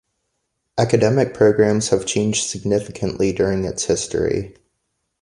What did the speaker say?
Academic programs have changed significantly during its history.